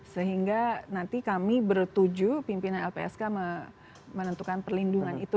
sehingga nanti kami bertuju pimpinan lpsk menentukan perlindungan itu